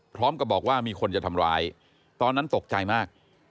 พร้อมกับบอกว่ามีคนจะทำร้ายตอนนั้นตกใจมาก